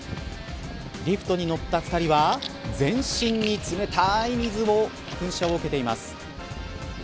リフトに乗った２人は全身に冷たい水を噴射を受けています。